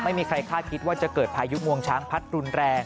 ไม่มีใครคาดคิดว่าจะเกิดพายุงวงช้างพัดรุนแรง